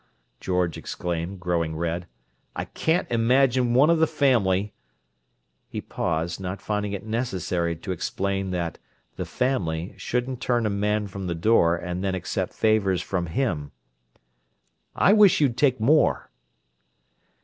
George exclaimed, growing red. "I can't imagine one of the family—" He paused, not finding it necessary to explain that "the family" shouldn't turn a man from the door and then accept favours from him. "I wish you'd take more."